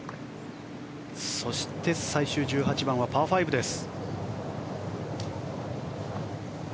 そして、最終１８番はパー５です。